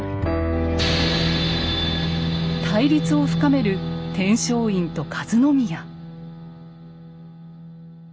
対立を深める天璋院と和宮。